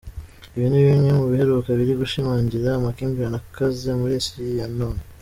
Ibi ni bimwe mu biheruka biri gushimangira amakimbirane akaze muri Isi ya none.